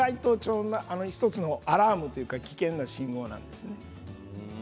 １つのアラーム危険な信号なんです。